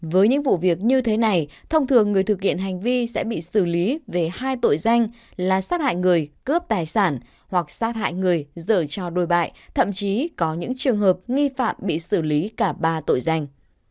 với những vụ việc như thế này thông thường người thực hiện hành vi sẽ bị xử lý về hai tội danh là sát hại người cướp tài sản hoặc sát hại người dở cho đồi bại thậm chí có những trường hợp nghi phạm bị xử lý cả ba tội danh